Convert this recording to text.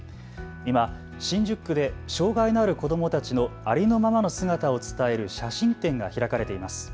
今、新宿で障害のある子どもたちのありのままの姿を伝える写真展が開かれています。